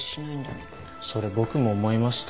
それ僕も思いました。